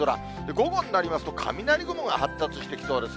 午後になりますと、雷雲が発達してきそうです。